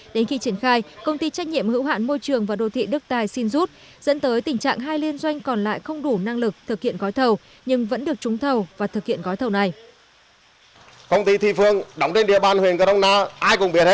đến khi triển khai công ty trách nhiệm hữu hạn môi trường và đô thị đức tài xin rút dẫn tới tình trạng hai liên doanh còn lại không đủ năng lực thực hiện gói thầu nhưng vẫn được trúng thầu và thực hiện gói thầu này